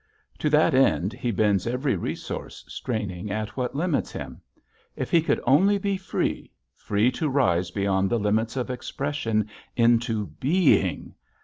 To that end he bends every resource straining at what limits him. If he could only be free, free to rise beyond the limits of expression into _being!